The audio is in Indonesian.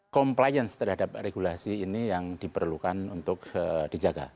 compliance terhadap regulasi ini yang diperlukan untuk dijaga